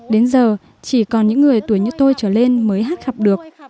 đến giờ chỉ còn những người tuổi như tôi trở lên mới hát khập được